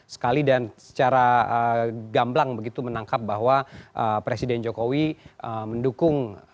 sekali dan secara gamblang begitu menangkap bahwa presiden jokowi mendukung